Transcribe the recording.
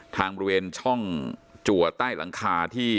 บริเวณช่องจัวใต้หลังคาที่